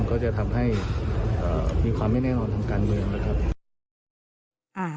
ก็จะทำให้มีความไม่แน่นอนทางการเมืองนะครับ